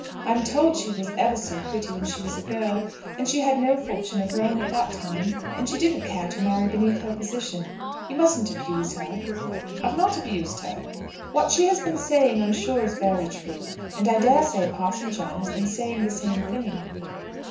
I am told she was ever so pretty when she was a girl; but she had no fortune of her own at that time, and she didn't care to marry beneath her position. You mustn't abuse her." "I've not abused her." "What she has been saying I am sure is very true; and I dare say Parson John has been saying the same thing."